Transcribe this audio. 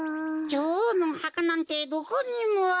じょおうのおはかなんてどこにも。